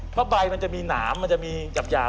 เพราะใบมันจะมีหนามมันจะมีหยาบ